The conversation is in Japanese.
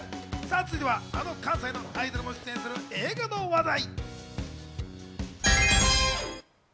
続いては、あの関西のアイドルも出演する映画の話題。